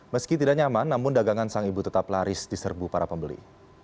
meski tidak nyaman namun dagangan sang ibu tetap laris di serbu para pembeli